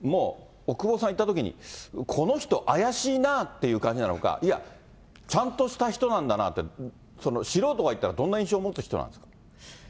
もう奥窪さん行ったときに、この人、怪しいなっていう感じなのか、いや、ちゃんとした人なんだなあって、素人が行ったら、どんな印象を持つ人なんですか？